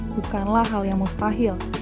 bukanlah hal yang mustahil